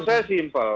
menurut saya simpel